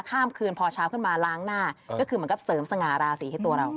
ข้ามคืนพอเช้าขึ้นมาล้างหน้าก็คือเหมือนกับเสริมสง่าราศีให้ตัวเรา